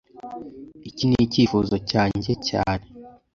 iki nicyifuzo cyanjye cyane